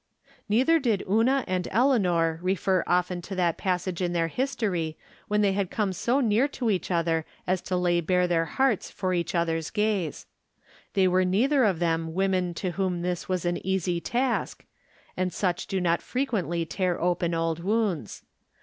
Neither did Una and Eleanor refer often to that passage in their history when they had come so near to each other as to lay bare their hearts for each other's gaze. They were neither of them women to whom this was an easy task, and such do not frequently tear open old wounds.